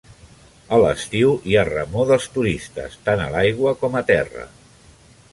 A l'estiu hi ha remor dels turistes, tant a l'aigua com a terra.